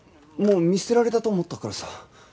もう見捨てられたと思ったからさ。